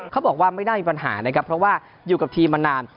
เขาบอกว่าไม่น่ามีปัญหานะครับเพราะว่าอยู่กับทีมมานาน